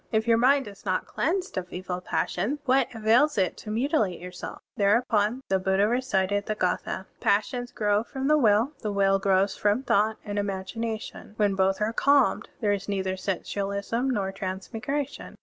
If your mind is not cleansed of evil passions, what avails it to mutilate yourself?*" Thereupon, the Buddha recited the gS thd, "Passions grow from the will, The will grows from thought and imagination: , When both are calmed, There is neither sensualism nor transmigration.